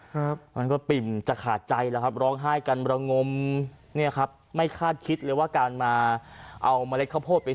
ครับมันก็ปิ่มจะขาดใจแล้วครับร้องไห้กันระงมเนี่ยครับไม่คาดคิดเลยว่าการมาเอาเมล็ดข้าวโพดไป